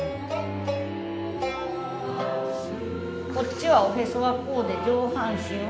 こっちはおへそはこうで上半身をこう。